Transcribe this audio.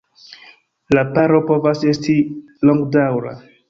La paro povas esti longdaŭra.